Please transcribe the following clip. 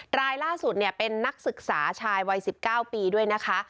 รายล่าสุดเป็นนักศึกษาชายวัย๑๙ปีด้วยนะคะ